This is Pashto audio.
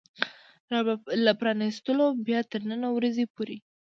له پرانيستلو بيا تر نن ورځې پورې